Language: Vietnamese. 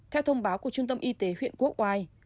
theo thông báo của trung tâm y tế huyện quốc oai